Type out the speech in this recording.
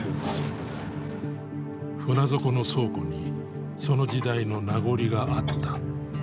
船底の倉庫にその時代の名残があった。